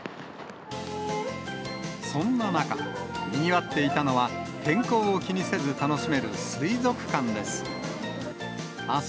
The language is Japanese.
そんな中、にぎわっていたのは、天候を気にせず楽しめる水族館です。